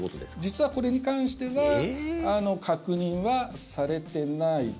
実はこれに関しては確認はされていないと。